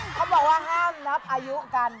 เขาบอกว่าห้ามนับอายุกัน